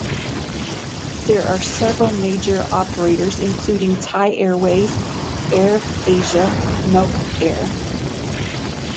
There are several major operators including Thai Airways, Air Asia, Nok Air.